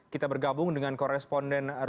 kita bergabung dengan koresponden